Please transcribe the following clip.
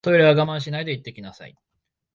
トイレは我慢しないで行ってきなさい